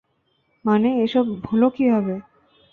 মানে, এসব হলো কীভাবে?